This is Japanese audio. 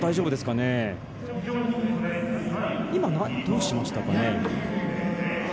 今、どうしましたかね？